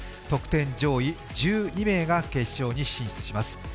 得点上位１２名が決勝に進出します。